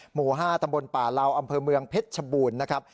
หมู่๕ตำบลป่าเหลาอำเภอเมืองเพชรชบูรณ์นะครับ